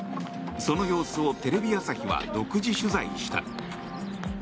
その様子をテレビ朝日は独自取材した。